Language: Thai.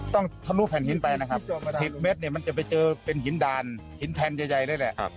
ทะลุแผ่นหินไปนะครับ๑๐เมตรเนี่ยมันจะไปเจอเป็นหินด่านหินแผ่นใหญ่เลยแหละ